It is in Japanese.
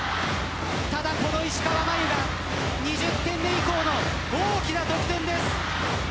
ただ、この石川真佑が２０点目以降の大きな得点です。